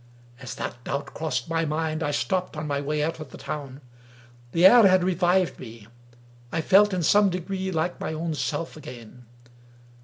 Ab that doubt crossed my mind I stopped on my way out of the town. The air had revived me — I felt in some degree like my own self again.